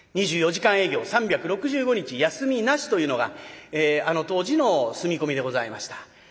２４時間営業３６５日休みなしというのがあの当時の住み込みでございました。